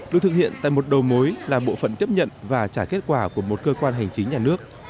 được thực hiện tại một đầu mối là bộ phận tiếp nhận và trả kết quả của một cơ quan hành chính nhà nước